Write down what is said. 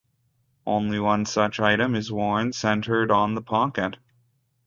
Only one such item is worn centered on the pocket.